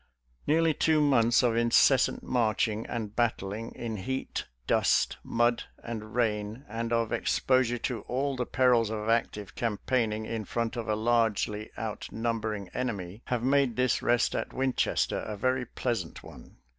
Nearly two months of incessant marching and battling in heat, dust, mud, and rain, and of ex posure to all the perils of active campaigning in front of a largely outnumbering enemy, have made this rest at Winchester a very pleasant one.